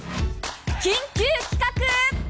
緊急企画！